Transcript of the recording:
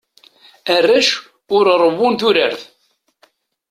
Arrac ur rewwun turart.